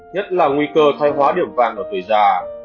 nhất là nguy cơ thay hóa điểm vàng ở tuổi già